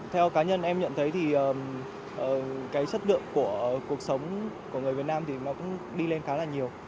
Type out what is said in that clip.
theo cá nhân em nhận thấy thì cái chất lượng của cuộc sống của người việt nam thì nó cũng đi lên khá là nhiều